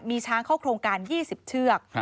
มีช้างเข้าโครงการ๒๐เชือก